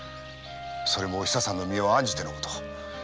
それもおひささんの身を案じての事。